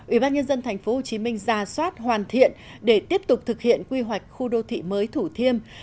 ủy ban nhân dân tp hcm ra soát hoàn thiện để tiếp tục thực hiện quy hoạch khu đô thị mới thủ thiêm